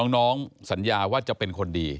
น้องสัญญาว่าจะเป็นคนดี